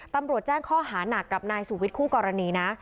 ตำรวจแจ้งข้อหานักกับนายสุวิทย์คู่กรณีนะ